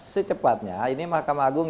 secepatnya ini mahkamah agung